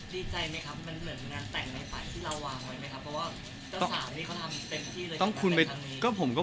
ดีใจไหมครับมันเหมือนงานแต่งในฝั่งที่เราวางไว้มั้ยครับ